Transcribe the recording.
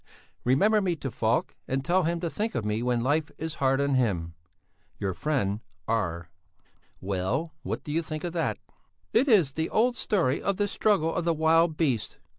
"Remember me to Falk and tell him to think of me when life is hard on him." "Your friend R." "Well, what do you think of that?" "It's the old story of the struggle of the wild beasts.